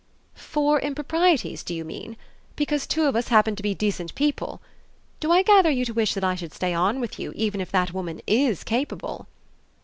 "Four improprieties, do you mean? Because two of us happen to be decent people! Do I gather you to wish that I should stay on with you even if that woman IS capable